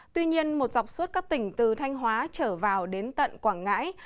tuy nhiên một dọc suốt các tỉnh từ thanh hóa trở vào đến tận quảng ngãi